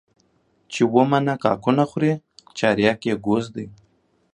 چي اومه کاکونه خوري چارياک يې گوز دى.